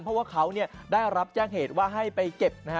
เพราะว่าเขาได้รับแจ้งเหตุว่าให้ไปเก็บนะฮะ